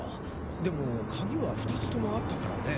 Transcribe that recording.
でも鍵は２つともあったからね。